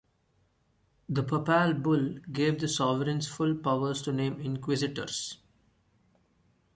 The papal bull gave the sovereigns full powers to name inquisitors.